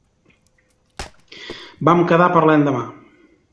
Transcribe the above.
Vam quedar per a l'endemà.